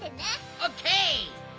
オッケー。